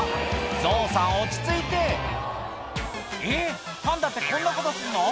象さん落ち着いてえっパンダってこんなことすんの？